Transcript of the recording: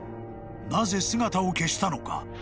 ［なぜ姿を消したのか？］